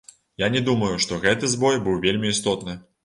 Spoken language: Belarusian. Я не думаю, што гэты збой быў вельмі істотны.